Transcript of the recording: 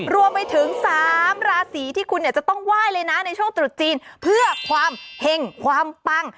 รวมไปถึง๓ราศีที่คุณเนี่ยจะต้องไหว้เลยนะในช่วงตรุษจีนเพื่อความเห็งความปัง